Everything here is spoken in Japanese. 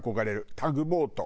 タグボート。